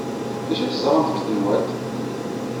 D acu ay teẓramt deg tanwalt?